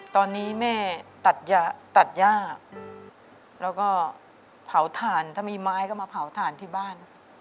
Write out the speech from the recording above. ตอนนี้แม่ตัดย่าแล้วก็เผาถ่านถ้ามีไม้ก็มาเผาถ่านที่บ้าน